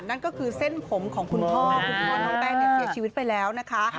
นั่นก็คือเส้นผมของคุณพ่อคุณพ่อน้องแป้งเนี่ยเสียชีวิตไปแล้วนะคะ